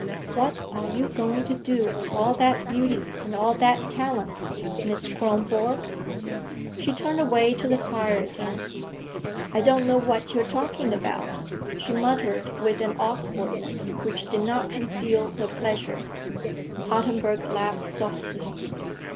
"What are you going to do with all that beauty and all that talent, Miss Kronborg?" She turned away to the fire again. "I don't know what you're talking about," she muttered with an awkwardness which did not conceal her pleasure. Ottenburg laughed softly.